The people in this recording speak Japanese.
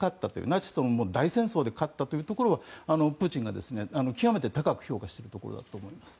ナチスとの大戦争で勝ったところをプーチンが極めて高く評価しているところだと思います。